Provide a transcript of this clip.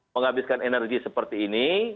menghabiskan energi seperti ini